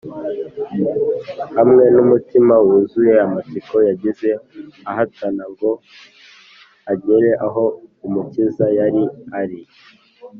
Hamwe n’umutima wuzuye amatsiko, yagiye ahatana ngo agere aho Umukiza yari ari